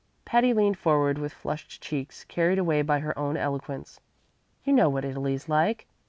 Patty leaned forward with flushed cheeks, carried away by her own eloquence. "You know what Italy's like.